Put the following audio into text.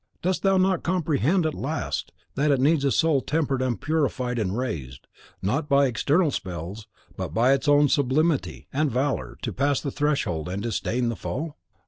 Dost thou not comprehend, at last, that it needs a soul tempered and purified and raised, not by external spells, but by its own sublimity and valour, to pass the threshold and disdain the foe?